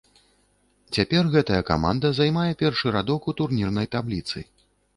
Цяпер гэтая каманда займае першы радок у турнірнай табліцы.